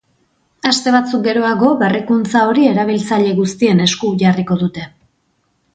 Aste batzuk geroago, berrikuntza hori erabiltzaile guztien esku jarriko dute.